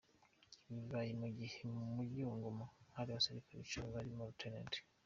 Ibi bibaye mu gihe mu mujyi wa Goma hari abasirikari icumi barimo Lt.